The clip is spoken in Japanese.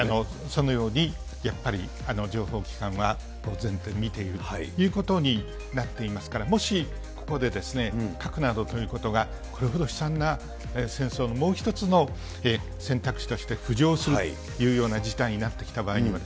そのようにやっぱり、情報機関は公然と見ているということになっていますから、もしここで、核などということが、これほど悲惨な戦争のもう一つの選択肢として浮上するというような事態になってきた場合には、